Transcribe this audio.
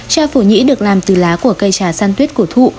trà phổ nhĩ được làm từ lá của cây trà săn tuyết của thụ